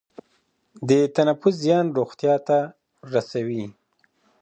د تنفس زیان روغتیا ته رسوي.